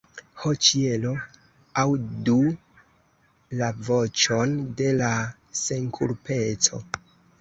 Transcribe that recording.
Ho ĉielo, aŭdu la voĉon de la senkulpeco!